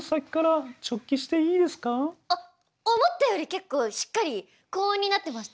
あっ思ったより結構しっかり高音になってました。